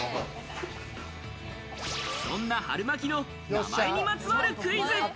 そんな春巻きの名前にまつわるクイズ。